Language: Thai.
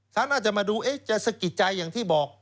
ท่านอาจจะมาดูจะสะกิดใจอย่างที่บอก